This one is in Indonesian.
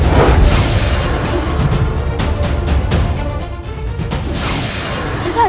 kau mencari dua blati